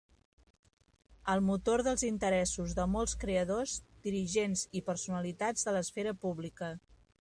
El motor dels interessos de molts creadors, dirigents i personalitats de l'esfera pública.